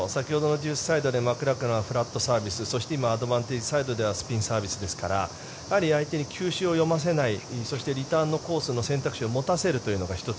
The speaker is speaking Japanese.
マクラクランのフラットサービスそして、今アドバンテージサイドではスピンサービスですからやはり相手に球種を読ませないそして、リターンのコースの選択肢を持たせるという。